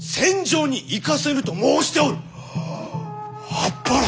ああっぱれ！